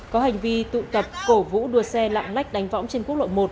có hành vi tụ tập cổ vũ đua xe lạng lách đánh võng trên quốc lộ một